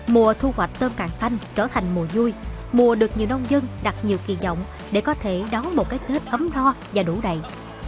mùa thu hoạch tôm càng xanh trở thành mùa vui mùa được nhiều nông dân đặt nhiều kỳ vọng để có thể đón một cái tết ấm no và đủ đầy